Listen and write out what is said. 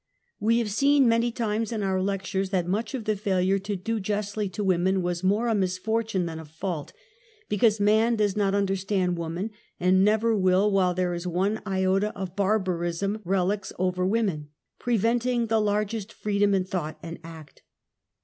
We have said many times in our lectures that much of the faihire to do justly to woman was more £1 misfortune than a fault, because man does not un derstand woman, and never will while there is one iota of barbarism relics over woman, preventing the largest freedom in thought and act.